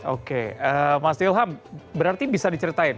oke mas ilham berarti bisa diceritain